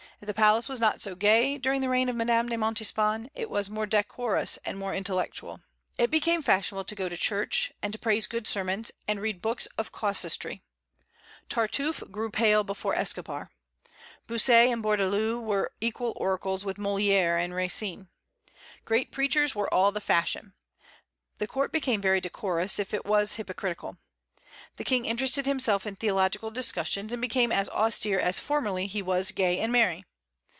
If the palace was not so gay as during the reign of Madame de Montespan, it was more decorous and more intellectual. It became fashionable to go to church, and to praise good sermons and read books of casuistry. "Tartuffe grew pale before Escobar." Bossuet and Bourdaloue were equal oracles with Molière and Racine. Great preachers were all the fashion. The court became very decorous, if it was hypocritical. The King interested himself in theological discussions, and became as austere as formerly he was gay and merry.